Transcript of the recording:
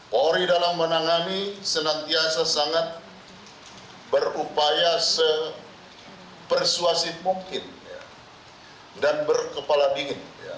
polri dalam menangani senantiasa sangat berupaya sepersuasif mungkin dan berkepala dingin